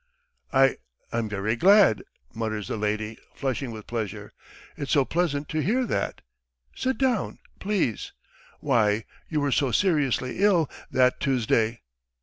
"I ... I am very glad ..." mutters the lady, flushing with pleasure. "It's so pleasant to hear that. .. Sit down please! Why, you were so seriously ill that Tuesday."